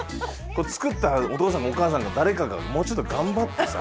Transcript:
作ったお父さんかお母さんか誰かがもうちょっと頑張ってさ。